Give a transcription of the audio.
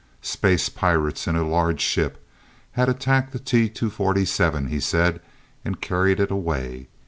Space pirates in a large ship had attacked the T 247, he said, and carried it away.